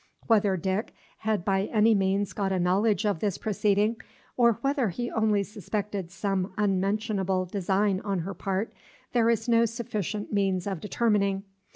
Whether Dick had by any means got a knowledge of this proceeding, or whether he only suspected some unmentionable design on her part, there is no sufficient means of determining.